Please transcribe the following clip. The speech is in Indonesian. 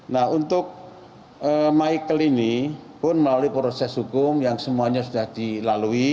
nah untuk michael ini pun melalui proses hukum yang semuanya sudah dilalui